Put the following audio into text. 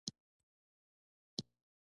زما مور غالۍ خوښوي.